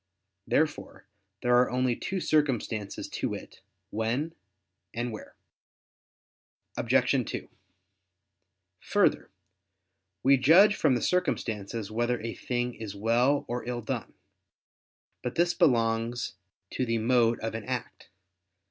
Therefore there are only two circumstances, to wit, "when" and "where." Obj. 2: Further, we judge from the circumstances whether a thing is well or ill done. But this belongs to the mode of an act.